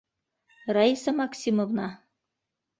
Раиса Максимовна!